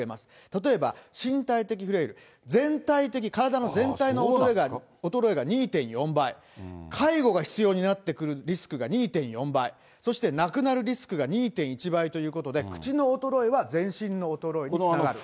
例えば身体的フレイル、全体的、体の全体の衰えが２．４倍、介護が必要になってくるリスクが２．４倍、そして亡くなるリスクが２．１倍ということで、口の衰えは前身の衰えにつながる。